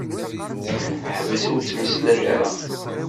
Ḥbes ur ttmeslay ara.